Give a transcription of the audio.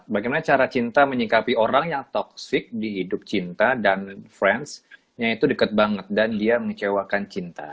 bagaimana cara cinta menyikapi orang yang toxic di hidup cinta dan friendsnya itu deket banget dan dia mengecewakan cinta